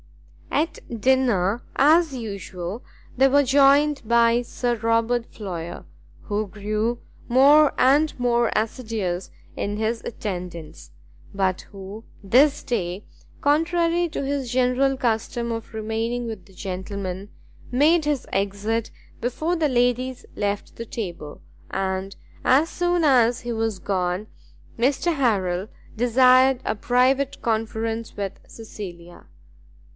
At dinner, as usual, they were joined by Sir Robert Floyer, who grew more and more assiduous in his attendance, but who, this day, contrary to his general custom of remaining with the gentlemen, made his exit before the ladies left the table; and as soon as he was gone, Mr Harrel desired a private conference with Cecilia.